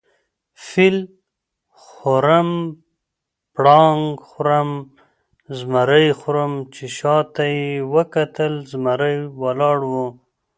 فیل خورم، پړانګ خورم، زمرى خورم . چې شاته یې وکتل زمرى ولاړ وو